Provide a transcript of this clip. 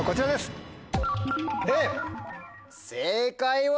正解は。